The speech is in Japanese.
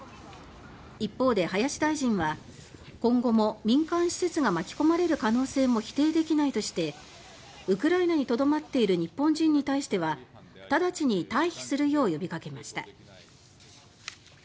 一方で、林大臣は「今後も民間施設が巻きこまれる可能性も否定できない」としてウクライナに留まっている日本人に対しては直ちに退避するよう呼びかけました。